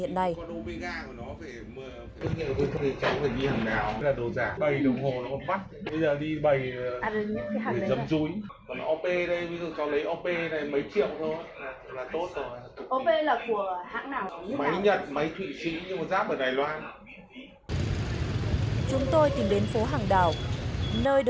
tuy nhiên khi hỏi